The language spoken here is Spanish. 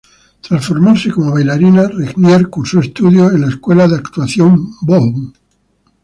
Tras formarse como bailarina, Regnier cursó estudios en la Escuela de Actuación Bochum.